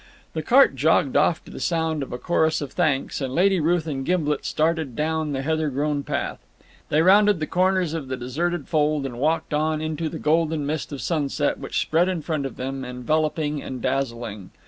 The cart jogged off to the sound of a chorus of thanks, and Lady Ruth and Gimblet started down the heather grown path. They rounded the corners of the deserted fold, and walked on into the golden mist of sunset which spread in front of them, enveloping and dazzling.